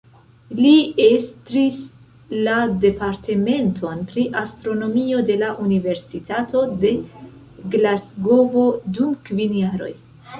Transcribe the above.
Li estris la Departementon pri astronomio de la Universitato de Glasgovo dum kvin jaroj.